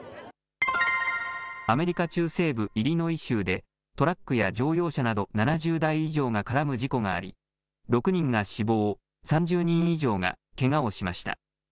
アメリカ中西部イリノイ州でトラックや乗用車など７０台以上が絡む事故があり６人が死亡、３０人以上がけがをしました。